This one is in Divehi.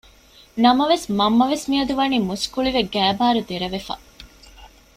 ނަމަވެސް މަންމަވެސް މިއަދު ވަނީ މުސްކުޅިވެ ގައިބާރު ދެރަވެފަ